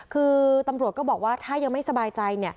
คือตำรวจก็บอกว่าถ้ายังไม่สบายใจ